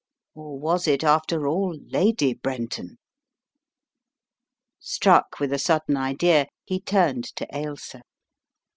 Or was it, after all, Lady Brenton? Struck with a sudden idea, he turned to Ailsa.